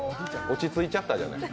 落ち着いちゃったじゃない。